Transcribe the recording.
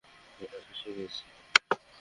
আমরা ফেসে গেছি।